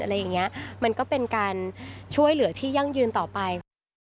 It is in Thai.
อะไรอย่างนี้มันก็เป็นการช่วยเหลือที่ยั่งยืนต่อไป